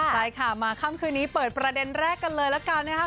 ใช่ค่ะมาค่ำคืนนี้เปิดประเด็นแรกกันเลยละกันนะครับ